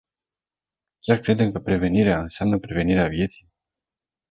Chiar credem că prevenirea înseamnă prevenirea vieții?